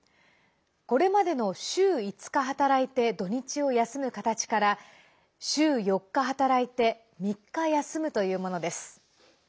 これまでの週５日働いて土日を休む形から週４日働いて３日休むというものです。